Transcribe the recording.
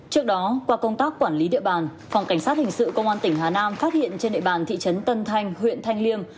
trước đó qua công tác quản lý địa bàn phòng cảnh sát hình sự công an tỉnh hà nam phát hiện trên địa bàn thị trấn tân thanh huyện thanh liêm